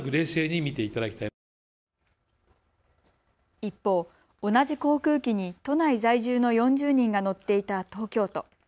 一方、同じ航空機に都内在住の４０人が乗っていた東京都。